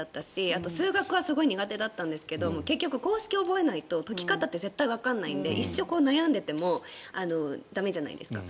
あと、数学はすごい苦手だったんですけど結局、公式を覚えないと解き方は絶対わからないので一生悩んでいても駄目じゃないですか。